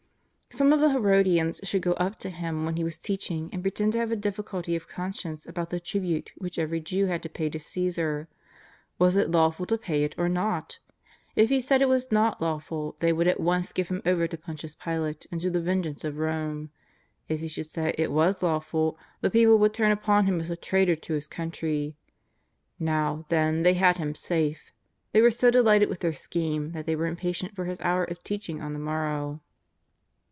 Some of the Herodians should go up to Him when He was teaching and pretend to have a difficulty of conscience about the tribute which every Jew had to pay to Caesar. Was it lawful to pay it or not? If He said it was not lawful, they w^ould at once give Him over to Pontius Pilate and to the vengeance of Rome. If He should say it was law ful, the people w^ould turn upon Him as a traitor to His country. Now, then, they had Him safe. They were so delighted with their scheme that they were im patient for His hour of teaching on the morrow.